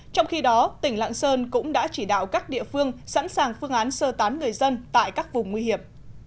trong khi đó tỉnh lạng sơn cũng đã chỉ đạo các địa phương sẵn sàng phương án sơ tán người dân tại các vùng nguy hiểm